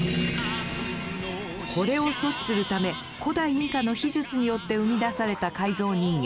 これを阻止するため古代インカの秘術によって生み出された改造人間。